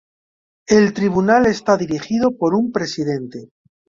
El Tribunal está dirigido por un Presidente.